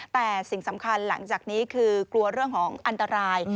แต่สิ่งสำคัญหลังจากนี้คือกลัวเรื่องของอันตราย